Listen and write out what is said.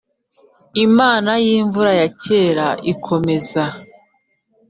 imana y'imvura ya kera ikomeza,